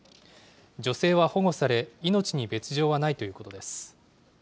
女性は保護され、命に別状はないということです。